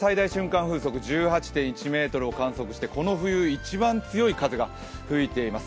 風速１８．１ｍを観測してこの冬一番強い風が吹いています。